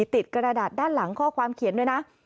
กระดาษด้านหลังข้อความเขียนด้วยนะ